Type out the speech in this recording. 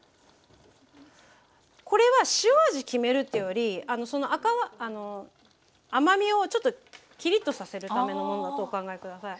これは塩味決めるっていうより甘みをちょっとキリッとさせるためのものだとお考え下さい。